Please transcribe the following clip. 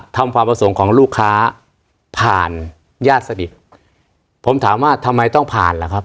ความประสงค์ของลูกค้าผ่านญาติสนิทผมถามว่าทำไมต้องผ่านล่ะครับ